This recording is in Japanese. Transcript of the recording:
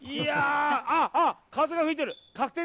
あっ、風が吹いてる。